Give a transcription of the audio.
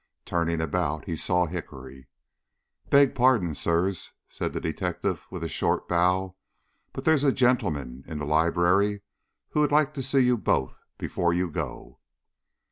Turning about he saw Hickory. "Beg pardon, sirs," said the detective, with a short bow, "but there's a gentleman, in the library who would like to see you before you go."